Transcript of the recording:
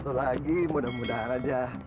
satu lagi mudah mudahan aja